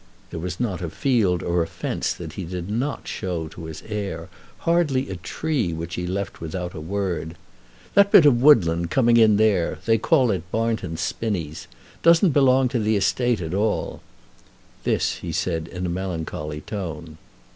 There was not a field or a fence that he did not show to his heir; hardly a tree which he left without a word. "That bit of woodland coming in there, they call it Barnton Spinnies, doesn't belong to the estate at all." This he said in a melancholy tone.